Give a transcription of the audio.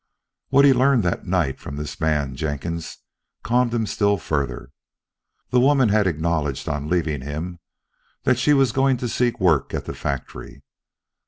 What he learned that night from this man Jenkins calmed him still further. The woman had acknowledged, on leaving him, that she was going to seek work at the factory.